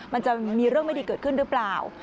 มันจะมีเรื่องไม่ดีเกิดขึ้นหรือเปล่า